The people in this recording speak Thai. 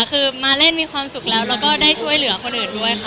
คือมาเล่นมีความสุขแล้วแล้วก็ได้ช่วยเหลือคนอื่นด้วยค่ะ